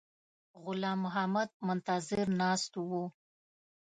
غلام محمد منتظر ناست وو.